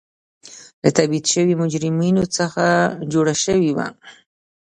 له تبعید شویو مجرمینو څخه جوړه شوې وه.